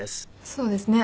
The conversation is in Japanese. そうですね。